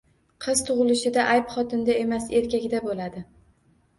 Qiz tug‘ilishida “ayb” xotinda emas, erkakda bo‘ladi.